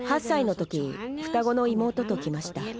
８歳の時双子の妹と来ました。